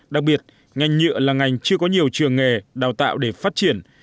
đặc biệt ngành nhựa là ngành chưa có nhiều trường nghề đào tạo để phát triển